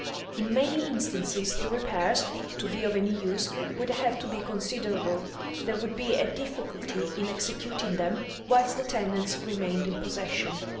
In many instances the repairs, to be of any use, would have to be considerable; there would be a difficulty in executing them whilst the tenants remained in possession.